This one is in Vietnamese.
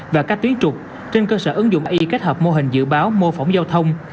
và các tuyến trục trên cơ sở ứng dụng ai kết hợp mô hình dự báo mô phỏng giao thông